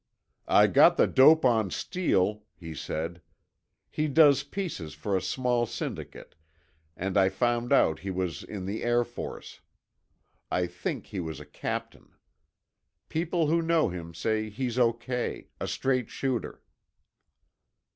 "I got the dope on Steele," he said. "He does pieces for a small syndicate, and I found out he was in the Air Force. I think he was a captain. People who know him say he's O.K.—a straight shooter."